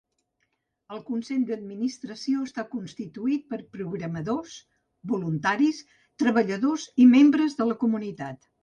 El consell d'administració està constituït per programadors, voluntaris, treballadors i membres de la comunitat.